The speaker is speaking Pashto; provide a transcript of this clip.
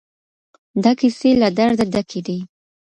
دا کيسې له درده ډکې دي.